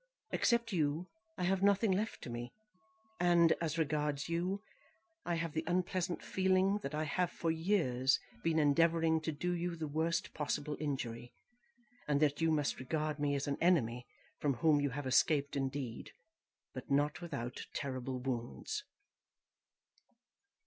Except you, I have nothing left to me; and, as regards you, I have the unpleasant feeling that I have for years been endeavouring to do you the worst possible injury, and that you must regard me as an enemy from whom you have escaped indeed, but not without terrible wounds."